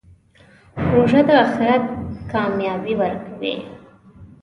روژه د آخرت کامیابي ورکوي.